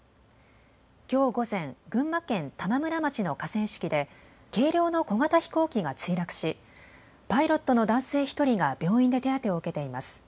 きょう午前、群馬県玉村町の河川敷で軽量の小型飛行機が墜落しパイロットの男性１人が病院で手当てを受けています。